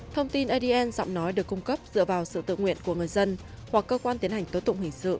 thông tin adn giọng nói được cung cấp dựa vào sự tự nguyện của người dân hoặc cơ quan tiến hành tố tụng hình sự